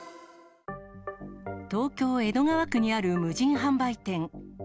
東京・江戸川区にある無人販売店。